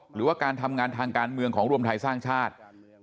หรือว่าการทำงานทางการเมืองของรวมไทยสร้างชาติ